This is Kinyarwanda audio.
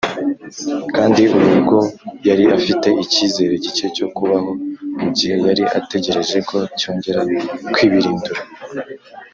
kandi ubu bwo yari afite icyizere gike cyo kubaho mu gihe yari ategereje ko cyongera kwibirindura